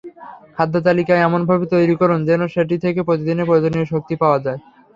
খাদ্যতালিকা এমনভাবে তৈরি করুন, যেন সেটি থেকে প্রতিদিনের প্রয়োজনীয় শক্তি পাওয়া যায়।